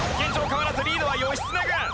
変わらずリードは義経軍！